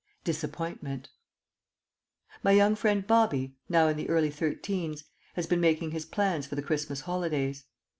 "_ DISAPPOINTMENT My young friend Bobby (now in the early thirteens) has been making his plans for the Christmas holidays.